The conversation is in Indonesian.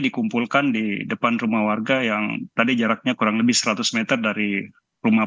dikumpulkan di depan rumah warga yang tadi jaraknya kurang lebih seratus meter dari rumah